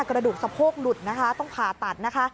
กระดูกสะโพกหลุดนะคะต้องผ่าตัดนะคะ